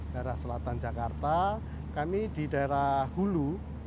daerah selatan jakarta kami di daerah hulu